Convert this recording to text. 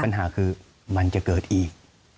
ปัญหาคือมันจะเกิดอีก